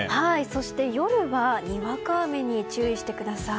そして夜はにわか雨に注意してください。